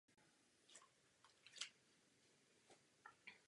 Nakonec se usadil v Praze.